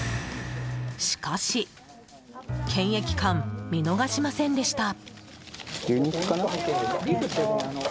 しかし、検疫官見逃しませんでした。